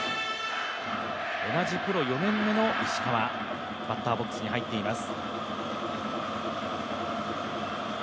同じプロ４年目の石川、バッターボックスに入っています。